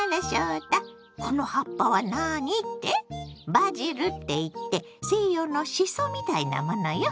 バジルって言って西洋のシソみたいなものよ。